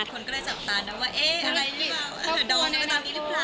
คนก็เลยจับตานึกว่าเอ๊ะอะไรรึเปล่า